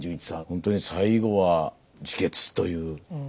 本当に最後は自決という。ですねえ。